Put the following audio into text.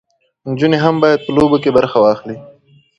نجونې هم باید په لوبو کې برخه واخلي.